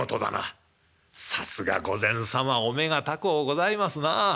「さすが御前様お目が高うございますな。